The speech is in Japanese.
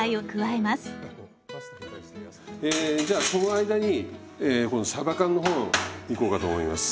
えじゃあその間に今度さば缶の方いこうかと思います。